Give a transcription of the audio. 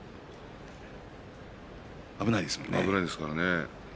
危ないですものね。